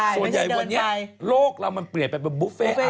ส่วนใหญ่วันนี้โลกเรามันเปลี่ยนแบบบุฟเฟ่อละค้า